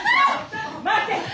待て！